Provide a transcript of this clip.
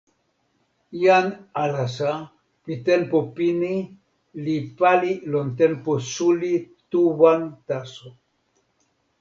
jan alasa pi tenpo pini li pali lon tenpo suli tu wan taso.